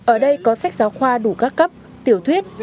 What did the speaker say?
ở đây có sách giáo khoa đủ các cấp tiểu thuyết